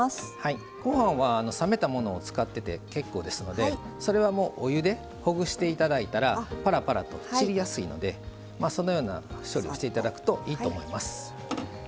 ごはんは冷めたものを使ってて結構ですのでそれはもうお湯でほぐしていただいたらぱらぱらと散りやすいのでそのような処理をしていただくといいと思います。